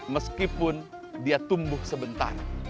meskipun dia tumbuh sebentar